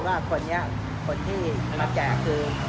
แต่ว่าก็ได้รอบแรกที่ก็ได้ไปซึ่งคะ